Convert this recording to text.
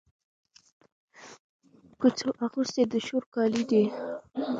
کوڅو اغوستي د شور کالي دی